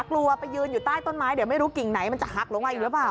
กลัวไปยืนอยู่ใต้ต้นไม้เดี๋ยวไม่รู้กิ่งไหนมันจะหักลงมาอีกหรือเปล่า